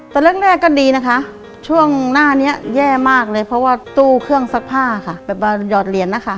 ตอนแรกก็ดีนะคะช่วงหน้านี้แย่มากเลยเพราะว่าตู้เครื่องซักผ้าค่ะแบบว่าหยอดเหรียญนะคะ